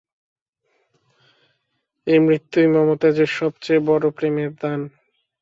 এই মৃত্যুই মমতাজের সব চেয়ে বড়ো প্রেমের দান।